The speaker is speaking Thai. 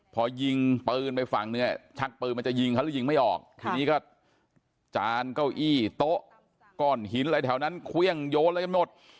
พอยิงปืนไปฝั่งเนี่ยชักปืนมันจะยิงเขาหรือยิงไม่ออกทีนี้ก็จานเก้าอี้โต๊ะก้อนหินอะไรแถวนั้นเครื่องโยนอะไรกันหมด